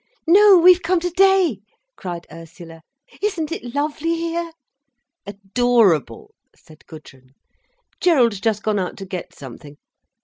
"No, we've come today!" cried Ursula. "Isn't it lovely here!" "Adorable!" said Gudrun. "Gerald's just gone out to get something.